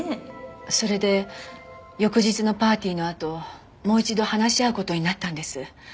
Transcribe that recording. それで翌日のパーティーのあともう一度話し合う事になったんです。